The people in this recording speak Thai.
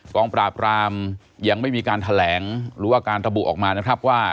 งปราบรามยังไม่มีการแถลงหรือว่าการระบุออกมานะครับว่า